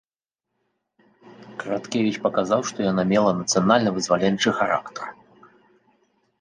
Караткевіч паказаў, што яно мела нацыянальна-вызваленчы характар.